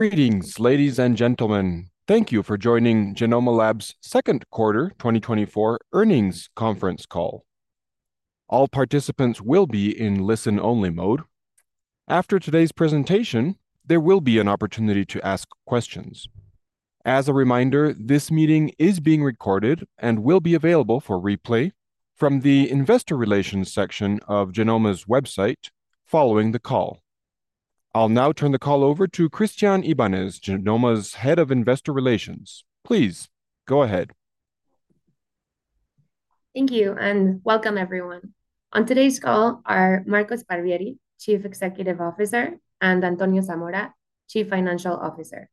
Greetings, ladies and gentlemen. Thank you for joining Genomma Lab's second quarter 2024 earnings conference call. All participants will be in listen-only mode. After today's presentation, there will be an opportunity to ask questions. As a reminder, this meeting is being recorded and will be available for replay from the Investor Relations section of Genomma's website following the call. I'll now turn the call over to Christianne Ibanez, Genomma's Head of Investor Relations. Please, go ahead. Thank you, and welcome, everyone. On today's call are Marco Sparvieri, Chief Executive Officer, and Antonio Zamora, Chief Financial Officer.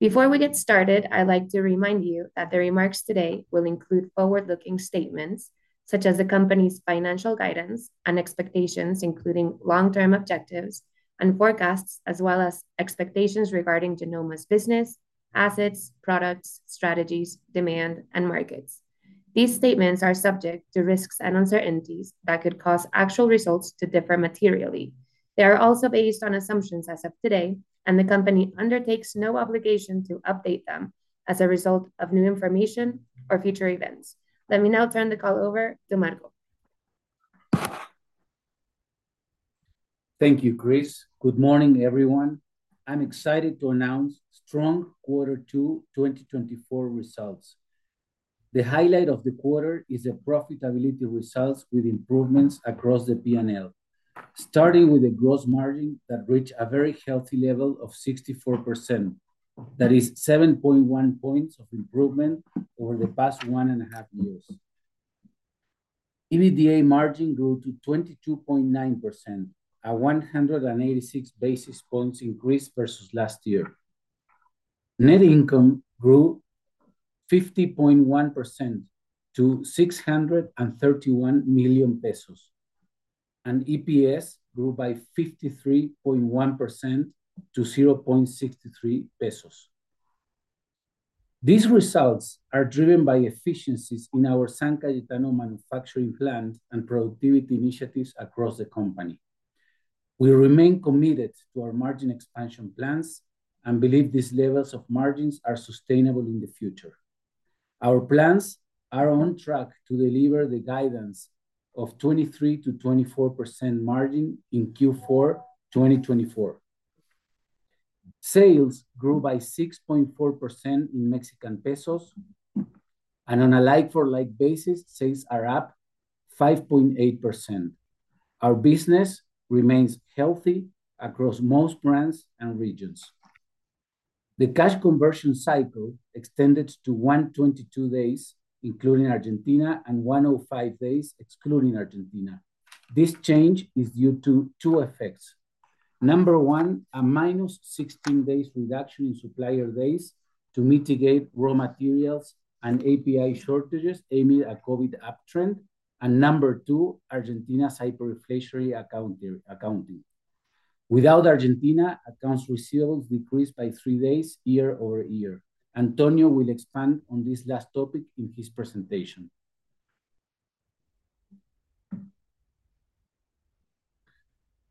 Before we get started, I'd like to remind you that the remarks today will include forward-looking statements, such as the company's financial guidance and expectations, including long-term objectives and forecasts, as well as expectations regarding Genomma's business, assets, products, strategies, demand, and markets. These statements are subject to risks and uncertainties that could cause actual results to differ materially. They are also based on assumptions as of today, and the company undertakes no obligation to update them as a result of new information or future events. Let me now turn the call over to Marco. Thank you, Chris. Good morning, everyone. I'm excited to announce strong quarter two 2024 results. The highlight of the quarter is the profitability results with improvements across the P&L, starting with the gross margin that reached a very healthy level of 64%. That is 7.1 points of improvement over the past one and a half years. EBITDA margin grew to 22.9%, a 186 basis points increase versus last year. Net income grew 50.1% to 631 million pesos, and EPS grew by 53.1% to MXN 0.63. These results are driven by efficiencies in our San Cayetano manufacturing plant and productivity initiatives across the company. We remain committed to our margin expansion plans and believe these levels of margins are sustainable in the future. Our plans are on track to deliver the guidance of 23%-24% margin in Q4 2024. Sales grew by 6.4% in MXN, and on a like for like basis, sales are up 5.8%. Our business remains healthy across most brands and regions. The Cash Conversion Cycle extended to 122 days, including Argentina, and 105 days, excluding Argentina. This change is due to two effects: number one, a -16 days reduction in supplier days to mitigate raw materials and API shortages amid a COVID uptrend; and number two, Argentina's hyperinflationary accounting. Without Argentina, accounts receivable decreased by three days year-over-year. Antonio will expand on this last topic in his presentation.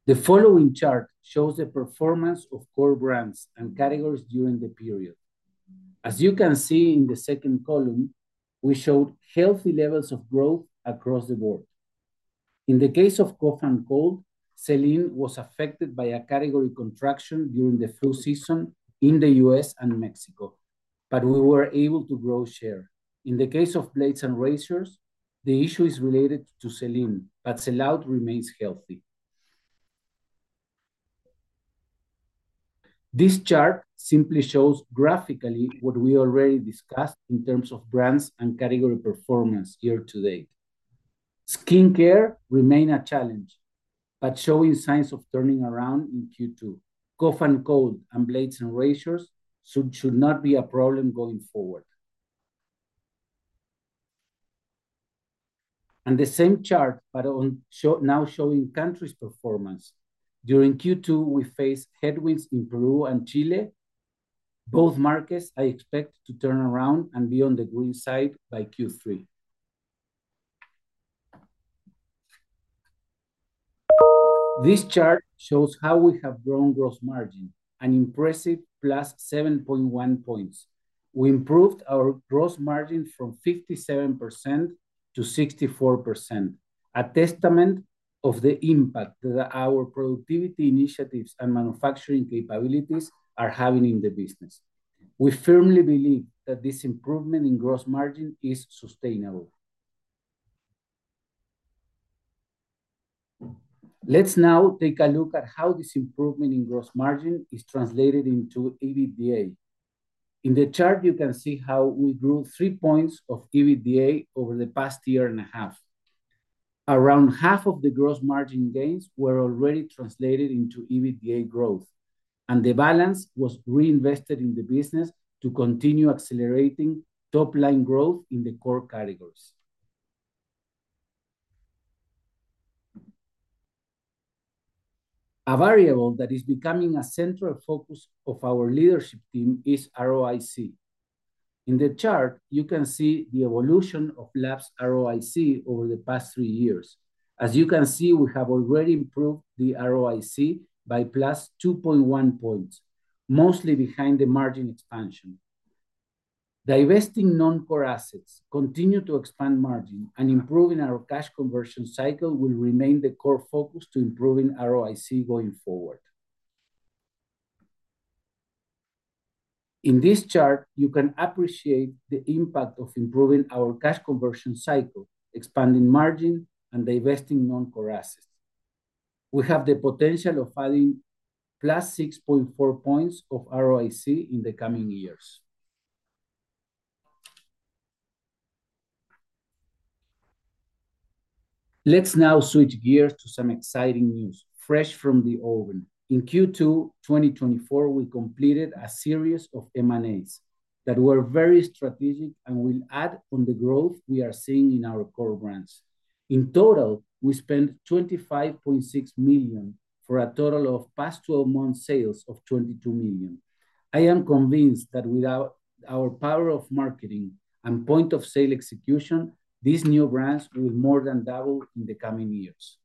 The following chart shows the performance of core brands and categories during the period. As you can see in the second column, we showed healthy levels of growth across the board. In the case of Cough and Cold, Sell-in was affected by a category contraction during the flu season in the U.S. and Mexico, but we were able to grow share. In the case of Blades and Razors, the issue is related to Sell-in, but Sell-out remains healthy. This chart simply shows graphically what we already discussed in terms of brands and category performance year to date. Skincare remain a challenge, but showing signs of turning around in Q2. Cough and Cold and Blades and Razors should not be a problem going forward. And the same chart, but now showing countries' performance. During Q2, we faced headwinds in Peru and Chile. Both markets I expect to turn around and be on the green side by Q3. This chart shows how we have grown Gross Margin, an impressive +7.1 points. We improved our Gross Margin from 57% to 64%, a testament of the impact that our productivity initiatives and manufacturing capabilities are having in the business. We firmly believe that this improvement in Gross Margin is sustainable. Let's now take a look at how this improvement in Gross Margin is translated into EBITDA. In the chart, you can see how we grew 3 points of EBITDA over the past year and a half. Around half of the Gross Margin gains were already translated into EBITDA growth, and the balance was reinvested in the business to continue accelerating top-line growth in the core categories. A variable that is becoming a central focus of our leadership team is ROIC. In the chart, you can see the evolution of Lab's ROIC over the past three years. As you can see, we have already improved the ROIC by +2.1 points, mostly behind the margin expansion. Divesting non-core assets continue to expand margin, and improving our cash conversion cycle will remain the core focus to improving ROIC going forward. In this chart, you can appreciate the impact of improving our cash conversion cycle, expanding margin, and divesting non-core assets. We have the potential of adding +6.4 points of ROIC in the coming years. Let's now switch gears to some exciting news, fresh from the oven. In Q2 2024, we completed a series of M&As that were very strategic and will add on the growth we are seeing in our core brands. In total, we spent $25.6 million, for a total of past 12 months sales of $22 million. I am convinced that without our power of marketing and point-of-sale execution, these new brands will more than double in the coming years.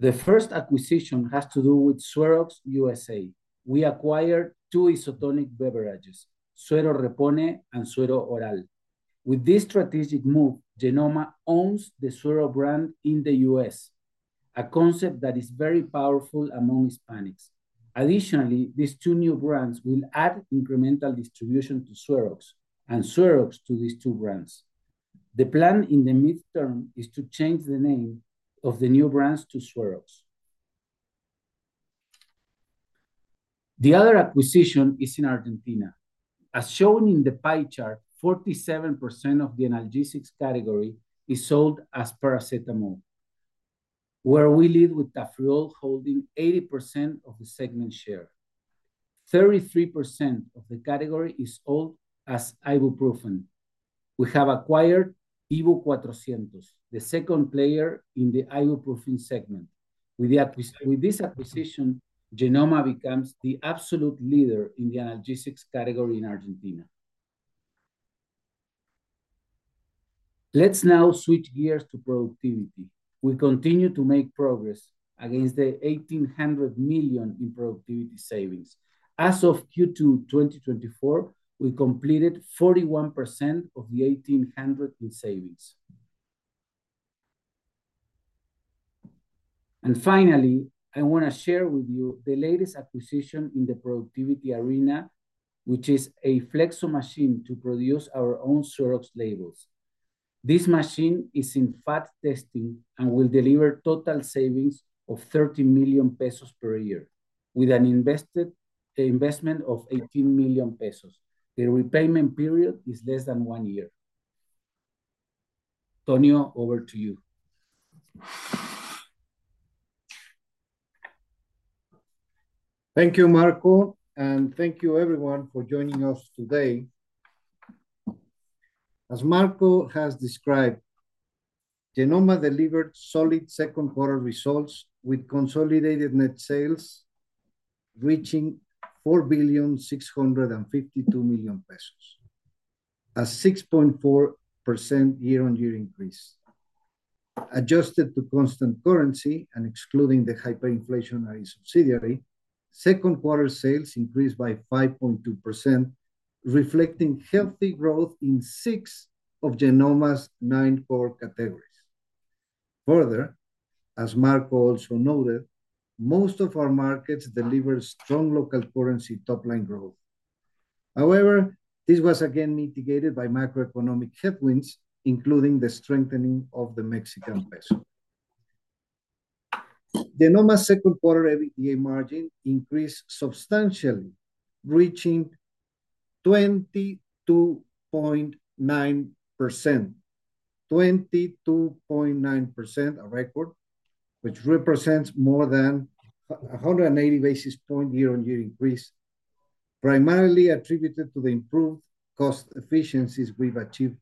The first acquisition has to do with SueroX USA. We acquired two isotonic beverages, Suero Repone and Suero Oral. With this strategic move, Genomma owns the Suero brand in the U.S., a concept that is very powerful among Hispanics. Additionally, these two new brands will add incremental distribution to SueroX, and SueroX to these two brands. The plan in the midterm is to change the name of the new brands to SueroX. The other acquisition is in Argentina. As shown in the pie chart, 47% of the analgesics category is sold as paracetamol, where we lead with Tafirol holding 80% of the segment share. 33% of the category is sold as ibuprofen. We have acquired Ibu 400, the second player in the ibuprofen segment. With this acquisition, Genomma becomes the absolute leader in the analgesics category in Argentina. Let's now switch gears to productivity. We continue to make progress against the 1,800 million in productivity savings. As of Q2 2024, we completed 41% of the 1,800 in savings. And finally, I wanna share with you the latest acquisition in the productivity arena, which is a Flexo Machine to produce our own SueroX labels. This machine is in fact testing, and will deliver total savings of 30 million pesos per year, with an investment of 18 million pesos. The repayment period is less than one year. Tonio, over to you. Thank you, Marco, and thank you everyone for joining us today. As Marco has described, Genomma delivered solid second quarter results, with consolidated net sales reaching MXN 4,652 million, a 6.4% year-on-year increase. Adjusted to constant currency and excluding the hyperinflationary subsidiary, second quarter sales increased by 5.2%, reflecting healthy growth in six of Genomma's nine core categories. Further, as Marco also noted, most of our markets delivered strong local currency top-line growth. However, this was again mitigated by macroeconomic headwinds, including the strengthening of the Mexican peso. Genomma's second quarter EBITDA margin increased substantially, reaching 22.9%. 22.9%, a record, which represents more than a hundred and eighty basis point year-on-year increase, primarily attributed to the improved cost efficiencies we've achieved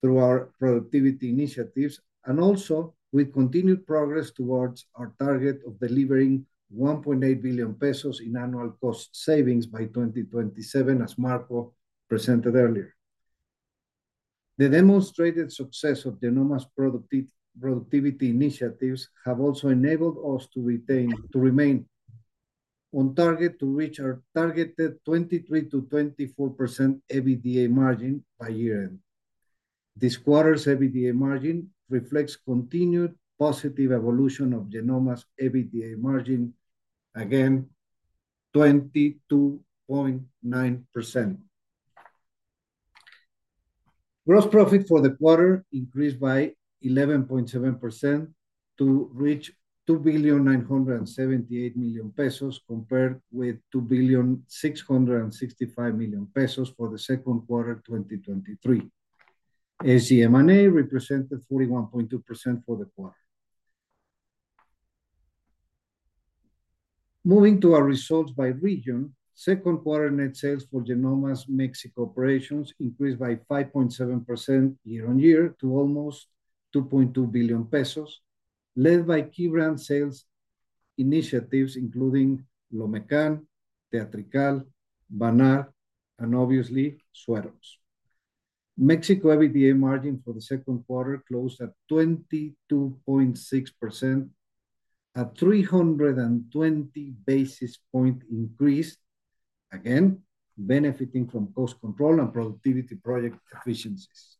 through our productivity initiatives, and also with continued progress towards our target of delivering 1.8 billion pesos in annual cost savings by 2027, as Marco presented earlier. The demonstrated success of Genomma's productivity initiatives have also enabled us to remain on target to reach our targeted 23%-24% EBITDA margin by year-end. This quarter's EBITDA margin reflects continued positive evolution of Genomma's EBITDA margin, again, 22.9%. Gross profit for the quarter increased by 11.7% to reach 2.978 billion, compared with 2.665 billion for the second quarter 2023. AC M&A represented 41.2% for the quarter. Moving to our results by region, second quarter net sales for Genomma's Mexico operations increased by 5.7% year-on-year to almost 2.2 billion pesos, led by key brand sales initiatives, including Lomecan, Teatrical, Vanart, and obviously SueroX. Mexico EBITDA margin for the second quarter closed at 22.6%, a 300 basis point increase, again, benefiting from cost control and productivity project efficiencies.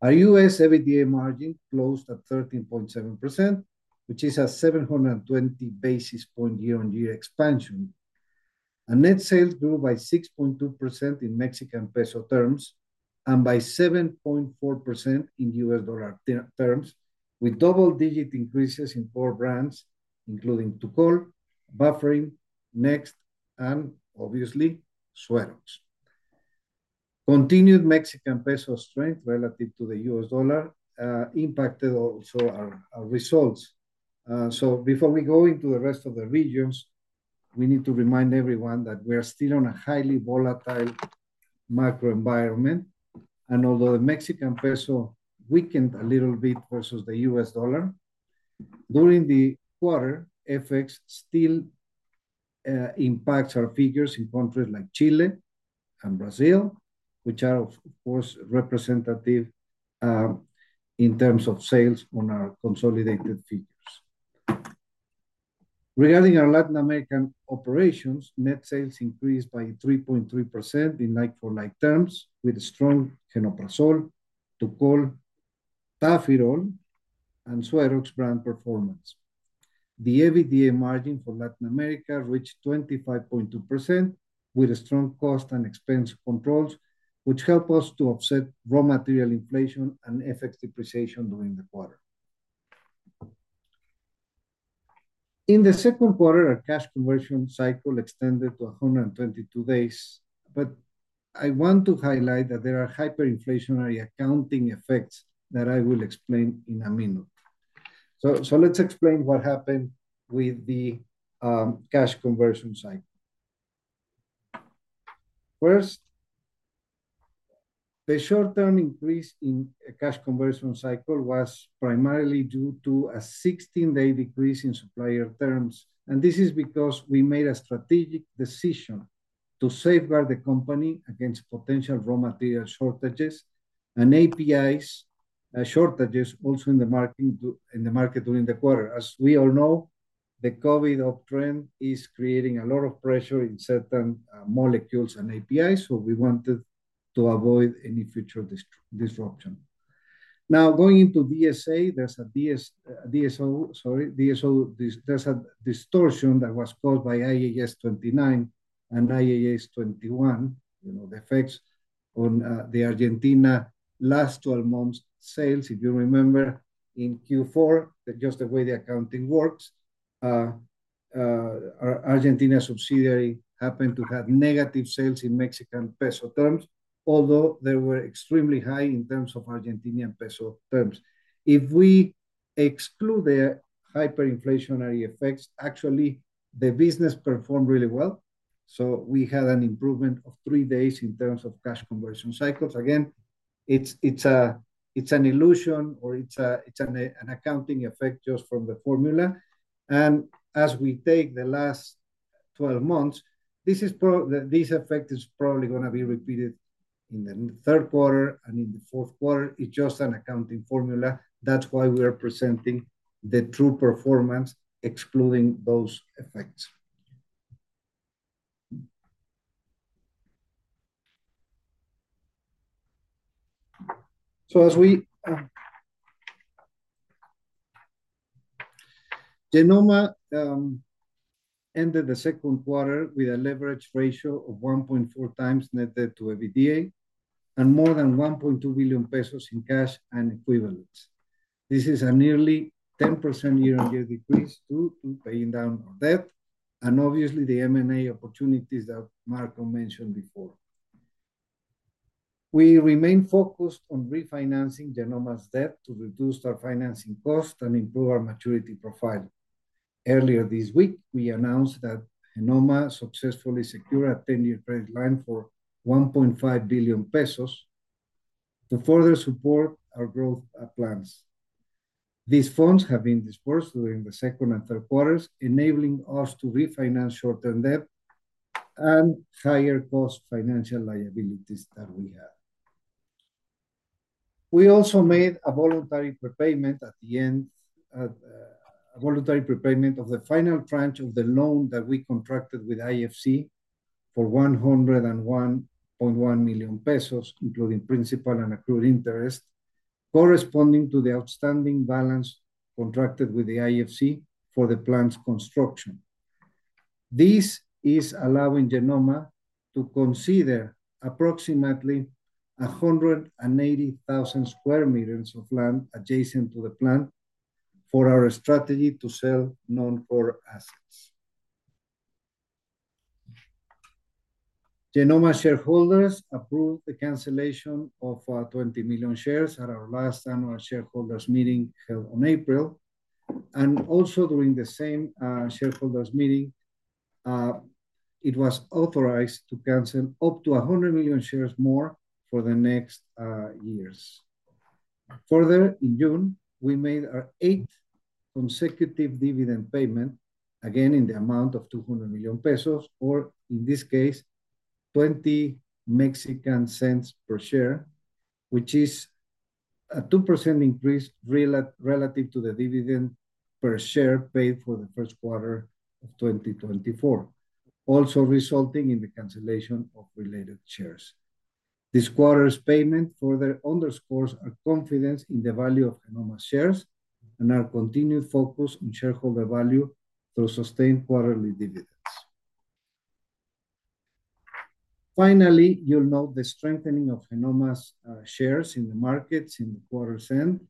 Our US EBITDA margin closed at 13.7%, which is a 720 basis point year-on-year expansion, and net sales grew by 6.2% in Mexican peso terms and by 7.4% in US dollar terms, with double-digit increases in four brands, including Tucol, Bufferin, Next, and obviously SueroX. Continued Mexican peso strength relative to the US dollar impacted also our results. So before we go into the rest of the regions, we need to remind everyone that we are still on a highly volatile macro environment, and although the Mexican peso weakened a little bit versus the US dollar during the quarter, FX still impacts our figures in countries like Chile and Brazil, which are, of course, representative in terms of sales on our consolidated figures. Regarding our Latin American operations, net sales increased by 3.3% in like-for-like terms, with strong Genoprazol, Tucol, Tafirol, and SueroX brand performance. The EBITDA margin for Latin America reached 25.2%, with a strong cost and expense controls, which help us to offset raw material inflation and FX depreciation during the quarter. In the second quarter, our cash conversion cycle extended to 122 days, but I want to highlight that there are hyperinflationary accounting effects that I will explain in a minute. So let's explain what happened with the cash conversion cycle. First, the short-term increase in cash conversion cycle was primarily due to a 16-day decrease in supplier terms, and this is because we made a strategic decision to safeguard the company against potential raw material shortages and APIs shortages also in the market during the quarter. As we all know, the COVID uptrend is creating a lot of pressure in certain molecules and APIs, so we wanted to avoid any future disruption. Now, going into DSO, sorry, DSO, there's a distortion that was caused by IAS 29 and IAS 21. You know, the effects on the Argentina last 12 months' sales, if you remember in Q4, that's just the way the accounting works. Our Argentina subsidiary happened to have negative sales in Mexican peso terms, although they were extremely high in terms of Argentina peso terms. If we exclude the hyperinflationary effects, actually, the business performed really well, so we had an improvement of three days in terms of cash conversion cycles. Again, it's an illusion or it's an accounting effect just from the formula. And as we take the last 12 months, this effect is probably gonna be repeated in the third quarter and in the fourth quarter. It's just an accounting formula. That's why we are presenting the true performance, excluding those effects. So as we Genomma ended the second quarter with a leverage ratio of 1.4x net debt to EBITDA and more than 1.2 billion pesos in cash and equivalents. This is a nearly 10% year-on-year decrease due to paying down our debt and obviously the M&A opportunities that Marco mentioned before. We remain focused on refinancing Genomma's debt to reduce our financing cost and improve our maturity profile. Earlier this week, we announced that Genomma successfully secured a 10-year credit line for 1.5 billion pesos to further support our growth plans. These funds have been disbursed during the second and third quarters, enabling us to refinance short-term debt and higher cost financial liabilities that we have. We also made a voluntary prepayment at the end, a voluntary prepayment of the final tranche of the loan that we contracted with IFC for 101.1 million pesos, including principal and accrued interest, corresponding to the outstanding balance contracted with the IFC for the plant's construction. This is allowing Genomma to consider approximately 180,000 square meters of land adjacent to the plant for our strategy to sell non-core assets. Genomma shareholders approved the cancellation of, 20 million shares at our last annual shareholders' meeting held on April, and also during the same, shareholders' meeting. It was authorized to cancel up to 100 million shares more for the next years. Further, in June, we made our eight consecutive dividend payment, again, in the amount of 200 million pesos, or in this case, 0.20 per share, which is a 2% increase relative to the dividend per share paid for the first quarter of 2024, also resulting in the cancellation of related shares. This quarter's payment further underscores our confidence in the value of Genomma's shares and our continued focus on shareholder value through sustained quarterly dividends. Finally, you'll note the strengthening of Genomma's shares in the markets at the quarter's end.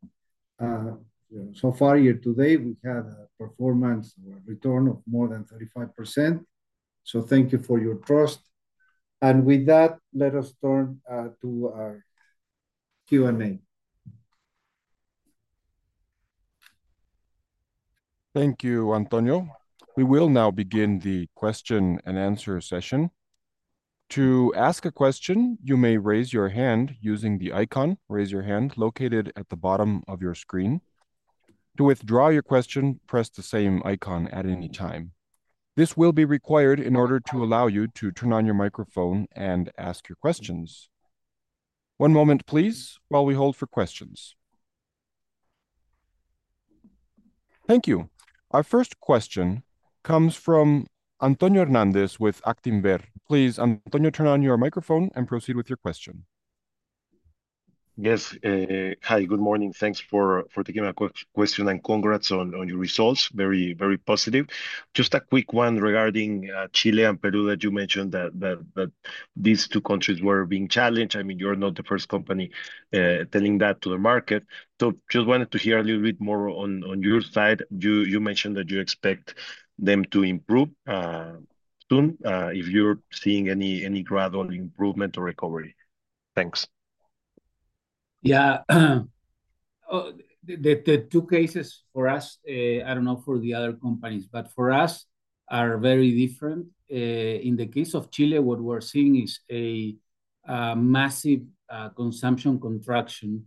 So far, year to date, we had a performance or return of more than 35%, so thank you for your trust. And with that, let us turn to our Q&A. Thank you, Antonio. We will now begin the question and answer session. To ask a question, you may raise your hand using the icon, Raise Your Hand, located at the bottom of your screen. To withdraw your question, press the same icon at any time. This will be required in order to allow you to turn on your microphone and ask your questions. One moment, please, while we hold for questions. Thank you. Our first question comes from Antonio Hernández with Actinver. Please, Antonio, turn on your microphone and proceed with your question. Yes, hi, good morning. Thanks for taking my question, and congrats on your results. Very, very positive. Just a quick one regarding Chile and Peru, that you mentioned that these two countries were being challenged. I mean, you're not the first company telling that to the market. So just wanted to hear a little bit more on your side. You mentioned that you expect them to improve soon, if you're seeing any gradual improvement or recovery. Thanks. Yeah. The two cases for us, I don't know for the other companies, but for us, are very different. In the case of Chile, what we're seeing is a massive consumption contraction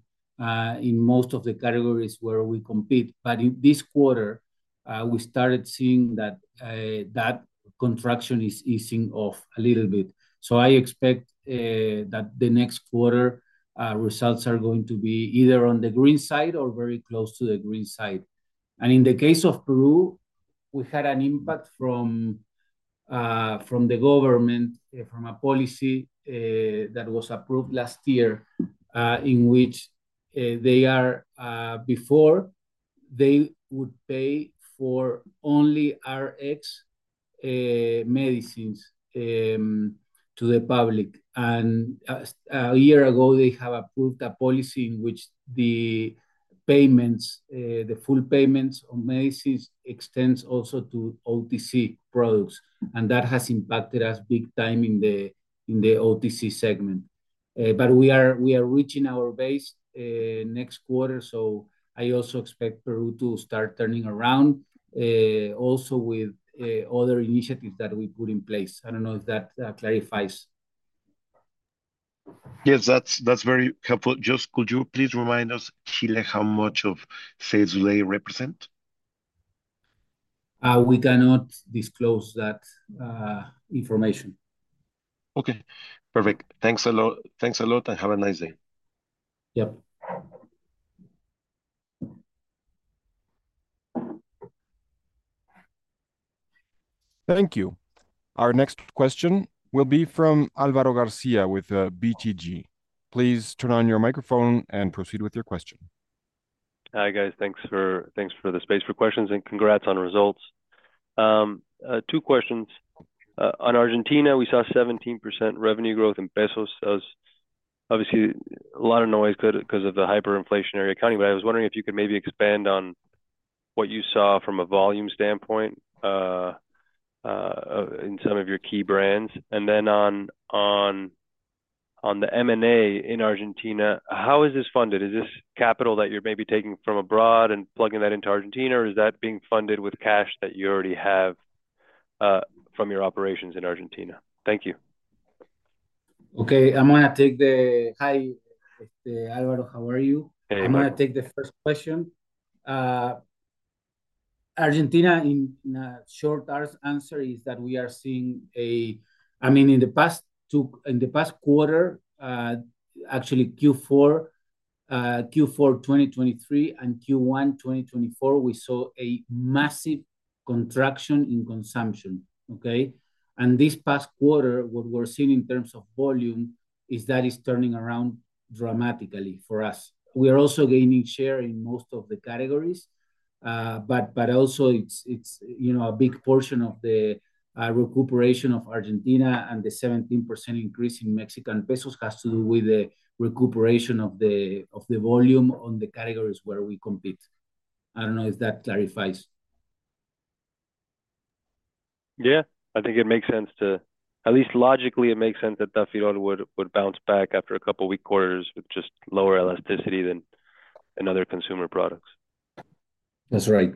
in most of the categories where we compete. But in this quarter, we started seeing that that contraction is easing off a little bit. So I expect that the next quarter results are going to be either on the green side or very close to the green side. And in the case of Peru, we had an impact from from the government from a policy that was approved last year in which they are before, they would pay for only RX medicines to the public. A year ago, they have approved a policy in which the payments, the full payments on medicines extends also to OTC products, and that has impacted us big time in the OTC segment. But we are reaching our base next quarter, so I also expect Peru to start turning around also with other initiatives that we put in place. I don't know if that clarifies. Yes, that's, that's very helpful. Just could you please remind us, Chile, how much of sales do they represent? We cannot disclose that information. Okay, perfect. Thanks a lot. Thanks a lot, and have a nice day. Yep. Thank you. Our next question will be from Álvaro García with BTG. Please turn on your microphone and proceed with your question. Hi, guys. Thanks for, thanks for the space for questions, and congrats on the results. Two questions. On Argentina, we saw 17% revenue growth in ARS. So obviously, a lot of noise because of the hyperinflationary accounting, but I was wondering if you could maybe expand on what you saw from a volume standpoint in some of your key brands. And then on the M&A in Argentina, how is this funded? Is this capital that you're maybe taking from abroad and plugging that into Argentina, or is that being funded with cash that you already have from your operations in Argentina? Thank you. Okay, I'm gonna take. Hi, Alvaro, how are you? Hey. I'm gonna take the first question. Argentina, in a short answer, is that we are seeing. I mean, in the past quarter, actually Q4 2023 and Q1 2024, we saw a massive contraction in consumption, okay? And this past quarter, what we're seeing in terms of volume, is that it's turning around dramatically for us. We are also gaining share in most of the categories, but also it's, you know, a big portion of the recuperation of Argentina and the 17% increase in MXN has to do with the recuperation of the volume on the categories where we compete. I don't know if that clarifies. Yeah, I think it makes sense to. At least logically, it makes sense that Tafirol would, would bounce back after a couple weak quarters with just lower elasticity than in other consumer products. That's right.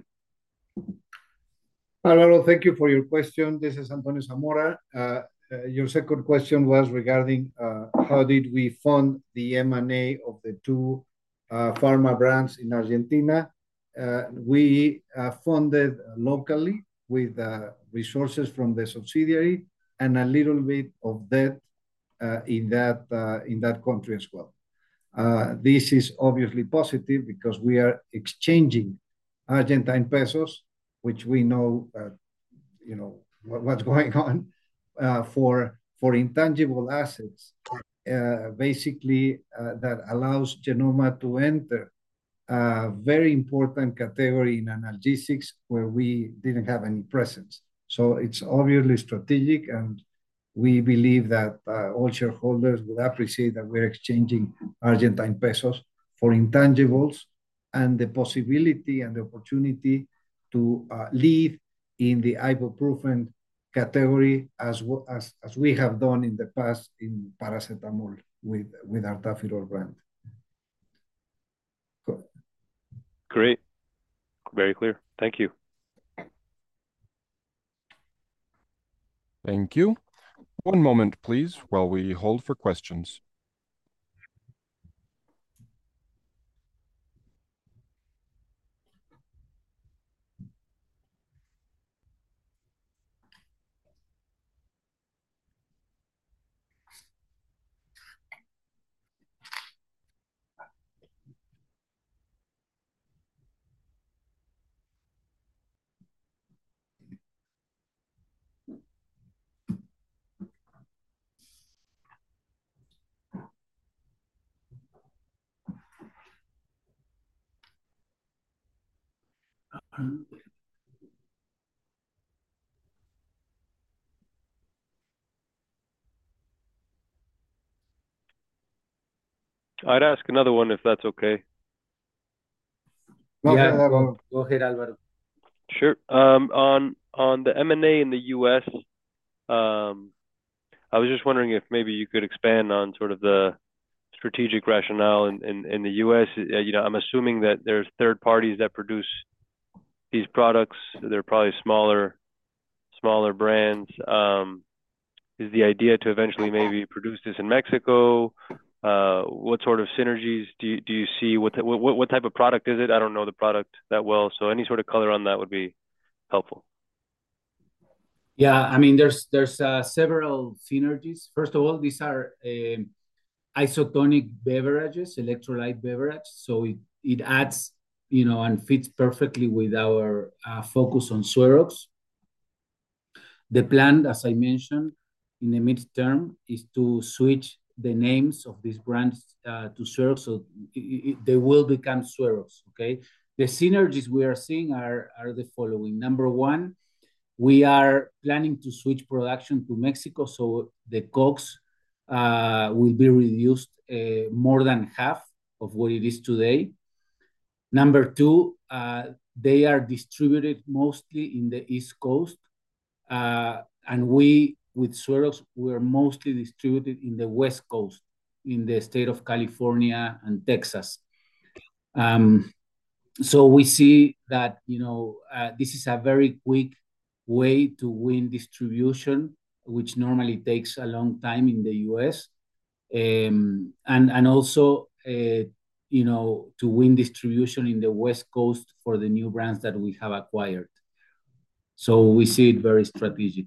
Hi, Alvaro, thank you for your question. This is Antonio Zamora. Your second question was regarding how did we fund the M&A of the two pharma brands in Argentina? We funded locally with resources from the subsidiary and a little bit of debt in that country as well. This is obviously positive because we are exchanging Argentine pesos, which we know, you know, what's going on, for intangible assets. Basically, that allows Genomma to enter a very important category in analgesics where we didn't have any presence. So it's obviously strategic, and we believe that all shareholders will appreciate that we're exchanging Argentine pesos for intangibles, and the possibility and the opportunity to lead in the ibuprofen category as we have done in the past in paracetamol with our Tafirol brand. So. Great. Very clear. Thank you. Thank you. One moment, please, while we hold for questions. I'd ask another one, if that's okay. Yeah. Go, go ahead, Alvaro. Sure. On the M&A in the U.S., I was just wondering if maybe you could expand on sort of the strategic rationale in the U.S. You know, I'm assuming that there's third parties that produce these products. They're probably smaller brands. Is the idea to eventually maybe produce this in Mexico? What sort of synergies do you see? What, what type of product is it? I don't know the product that well, so any sort of color on that would be helpful. Yeah. I mean, there's several synergies. First of all, these are isotonic beverages, electrolyte beverage, so it adds, you know, and fits perfectly with our focus on Sueros. The plan, as I mentioned, in the midterm, is to switch the names of these brands to Suero, so they will become Sueros, okay? The synergies we are seeing are the following: number one, we are planning to switch production to Mexico, so the COGS will be reduced more than half of what it is today. Number two, they are distributed mostly in the East Coast, and we, with Sueros, we're mostly distributed in the West Coast, in the state of California and Texas. So we see that, you know, this is a very quick way to win distribution, which normally takes a long time in the U.S. Also, you know, to win distribution in the West Coast for the new brands that we have acquired, so we see it very strategic.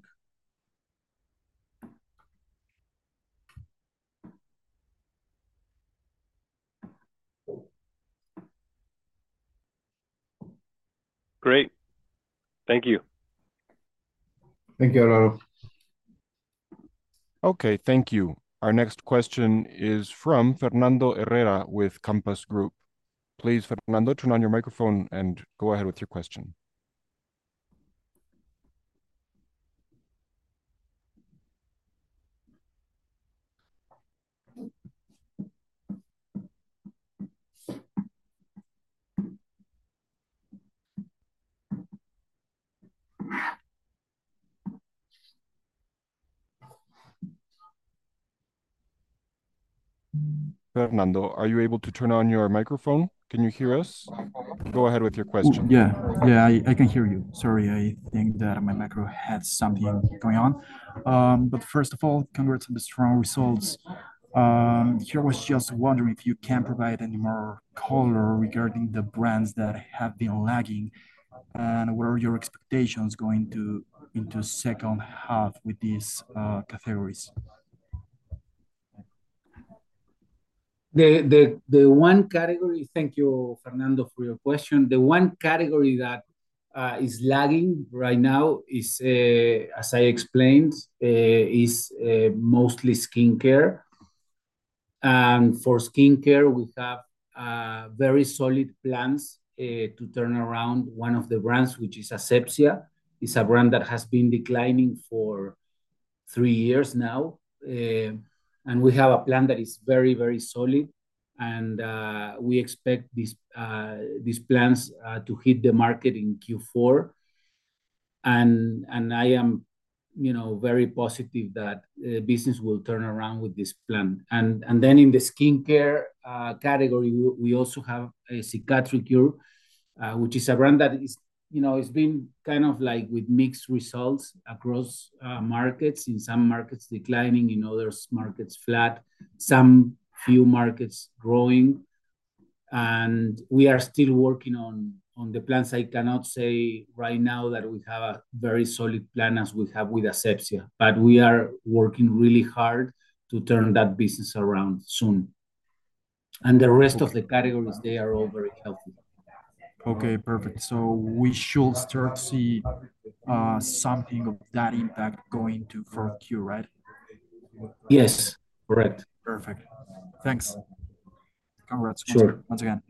Great. Thank you. Thank you, Alvaro. Okay, thank you. Our next question is from Fernando Herrera with Compass Group. Please, Fernando, turn on your microphone and go ahead with your question. Fernando, are you able to turn on your microphone? Can you hear us? Go ahead with your question. Yeah. Yeah, I can hear you. Sorry, I think that my micro had something going on. But first of all, congrats on the strong results. Here I was just wondering if you can provide any more color regarding the brands that have been lagging, and what are your expectations going into the second half with these categories? Thank you, Fernando, for your question. The one category that is lagging right now is, as I explained, mostly skincare. And for skincare, we have very solid plans to turn around one of the brands, which is Asepxia. It's a brand that has been declining for three years now, and we have a plan that is very, very solid, and we expect these plans to hit the market in Q4 and, I am, you know, very positive that business will turn around with this plan. And, and then in the skincare category, we, we also have a Cicatricure, which is a brand that is, you know, it's been kind of like with mixed results across markets, in some markets declining, in other markets flat, some few markets growing. And we are still working on the plans. I cannot say right now that we have a very solid plan as we have with Asepxia, but we are working really hard to turn that business around soon. And the rest of the categories, they are all very healthy. Okay, perfect. So we should start to see something of that impact going to 4Q, right? Yes, correct. Perfect. Thanks. Congrats. Sure. Once again.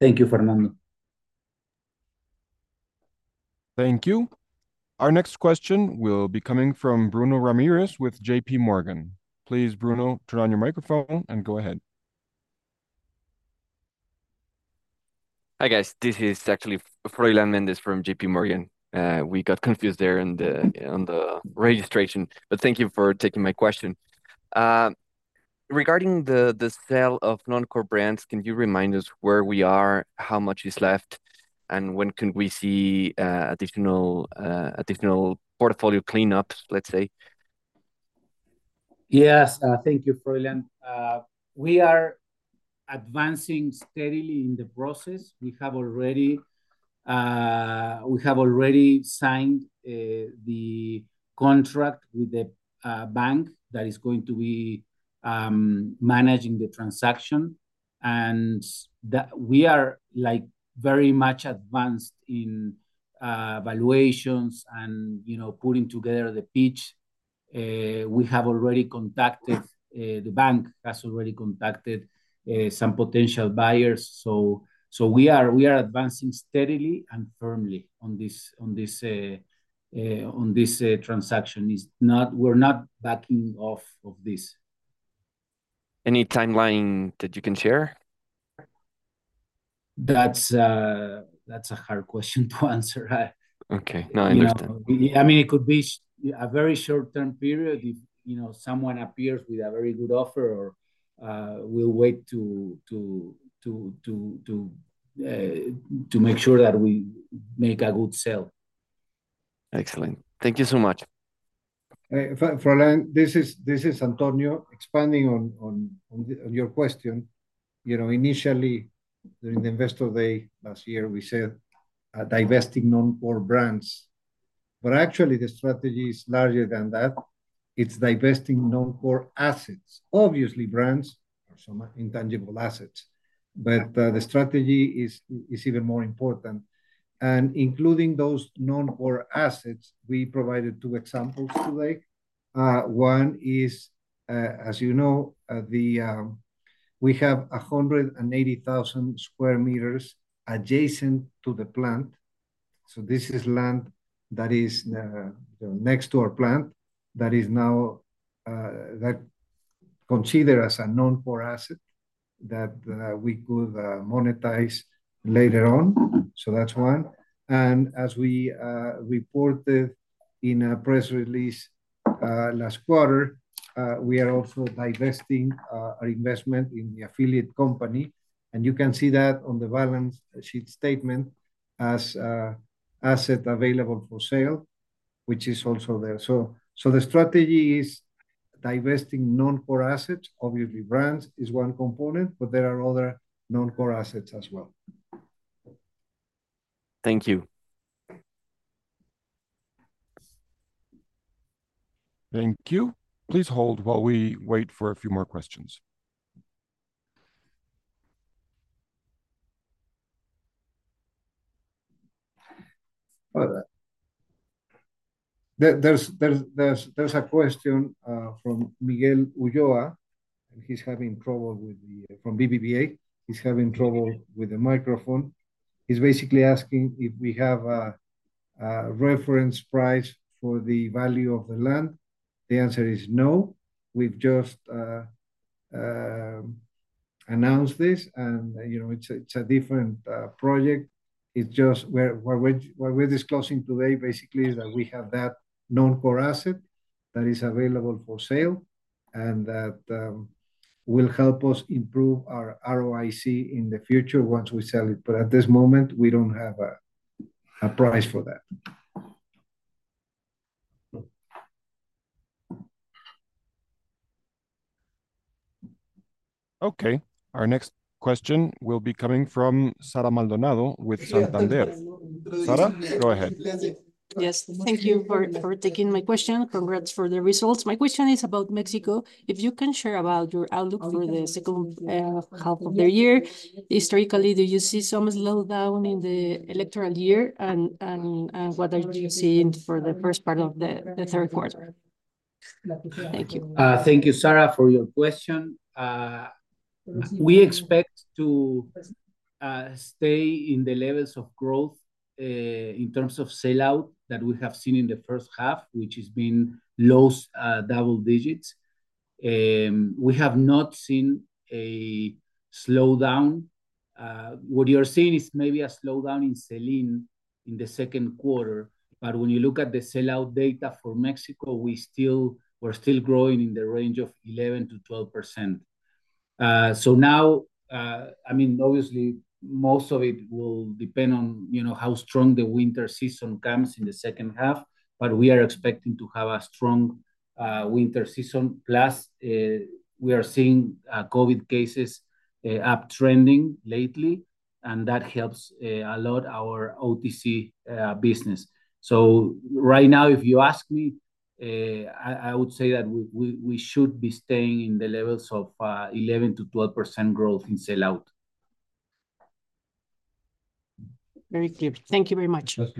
Thank you, Fernando. Thank you. Our next question will be coming from Froylan Mendez with JPMorgan. Please, Bruno, turn on your microphone and go ahead. Hi, guys. This is actually Froylan Mendez from JPMorgan. We got confused there on the registration, but thank you for taking my question. Regarding the sale of non-core brands, can you remind us where we are, how much is left, and when can we see additional portfolio cleanups, let's say? Yes. Thank you, Froylan. We are advancing steadily in the process. We have already signed the contract with the bank that is going to be managing the transaction, and that we are, like, very much advanced in valuations and, you know, putting together the pitch. We have already contacted, the bank has already contacted some potential buyers, so we are advancing steadily and firmly on this transaction. It's not. We're not backing off of this. Any timeline that you can share? That's, that's a hard question to answer. Okay. No, I understand. You know, I mean, it could be a very short-term period if, you know, someone appears with a very good offer, or, we'll wait to make sure that we make a good sale. Excellent. Thank you so much. Froylan, this is Antonio. Expanding on your question, you know, initially, during the Investor Day last year, we said divesting non-core brands, but actually the strategy is larger than that. It's divesting non-core assets. Obviously, brands are some intangible assets, but the strategy is even more important. And including those non-core assets, we provided two examples today. One is, as you know, we have 180,000 square meters adjacent to the plant. So this is land that is next to our plant that is now considered as a non-core asset that we could monetize later on. So that's one. As we reported in a press release last quarter, we are also divesting our investment in the affiliate company, and you can see that on the balance sheet statement as asset available for sale, which is also there. So the strategy is divesting non-core assets. Obviously, brands is one component, but there are other non-core assets as well. Thank you. Thank you. Please hold while we wait for a few more questions. There's a question from Miguel Ulloa, and he's having trouble with the... From BBVA. He's having trouble with the microphone. He's basically asking if we have a reference price for the value of the land. The answer is no. We've just announced this, and, you know, it's a different project. It's just what we're disclosing today basically is that we have that non-core asset that is available for sale, and that will help us improve our ROIC in the future once we sell it. But at this moment, we don't have a price for that. Okay, our next question will be coming from Sara Maldonado with Santander. Yeah. Sara, go ahead. Yes. Thank you for taking my question. Congrats for the results. My question is about Mexico. If you can share about your outlook for the second half of the year. Historically, do you see some slowdown in the electoral year, and what are you seeing for the first part of the third quarter? Thank you. Thank you, Sara, for your question. We expect to stay in the levels of growth in terms of sell-out that we have seen in the first half, which has been low double digits. We have not seen a slowdown. What you are seeing is maybe a slowdown in sell-in in the second quarter, but when you look at the sell-out data for Mexico, we still... we're still growing in the range of 11%-12%. So now, I mean, obviously, most of it will depend on, you know, how strong the winter season comes in the second half, but we are expecting to have a strong winter season. Plus, we are seeing COVID cases uptrending lately, and that helps a lot our OTC business. So right now, if you ask me, I would say that we should be staying in the levels of 11%-12% growth in sell-out. Very clear. Thank you very much.